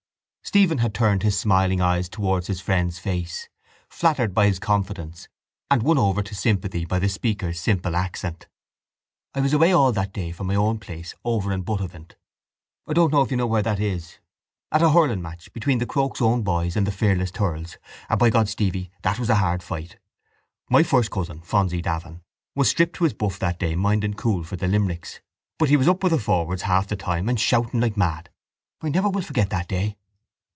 Stephen had turned his smiling eyes towards his friend's face, flattered by his confidence and won over to sympathy by the speaker's simple accent. —I was away all that day from my own place over in Buttevant—I don't know if you know where that is—at a hurling match between the Croke's Own Boys and the Fearless Thurles and by God, Stevie, that was the hard fight. My first cousin, Fonsy Davin, was stripped to his buff that day minding cool for the Limericks but he was up with the forwards half the time and shouting like mad. I never will forget that day.